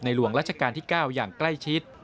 หลวงราชการที่๙อย่างใกล้ชิด